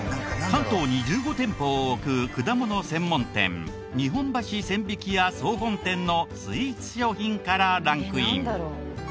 関東に１５店舗を置く果物専門店日本橋千疋屋総本店のスイーツ商品からランクイン。